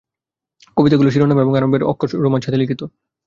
কবিতাগুলির শিরোনামা এবং আরম্ভের অক্ষর রোম্যান ছাঁদে লিখিত।